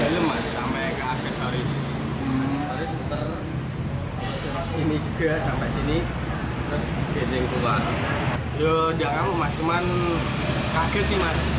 sampai ke aksesoris ini juga sampai sini terus gede keluar yo jangan mau mas cuman kaget sih